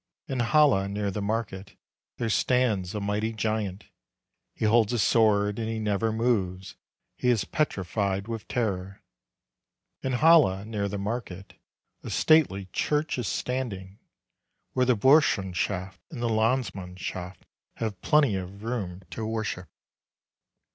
In Halle, near the market, There stands a mighty giant, He holds a sword and he never moves, He is petrified with terror. In Halle, near the market, A stately church is standing, Where the Burschenschaft and the Landsmannschaft Have plenty of room to worship.